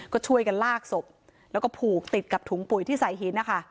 ก็ช่วยกันลากศพแล้วก็ผูกติดกับถุงปุ๋ยที่ใส่หินนะคะ